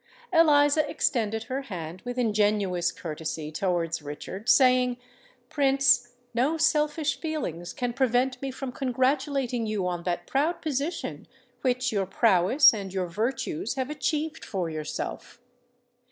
Eliza extended her hand with ingenuous courtesy towards Richard, saying, "Prince, no selfish feelings can prevent me from congratulating you on that proud position which your prowess and your virtues have achieved for yourself."